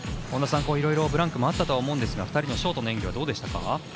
いろいろブランクもあったと思うんですが２人のショートの演技はどうでしたか？